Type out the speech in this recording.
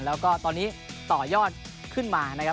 แล้วก็ตอนนี้ต่อยอดขึ้นมา